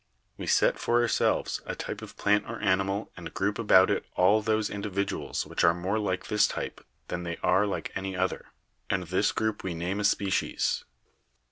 We set for ourselves! a type of plant or animal and group about it all those individuals which are more like this type than they are like any other, and this group we name a species.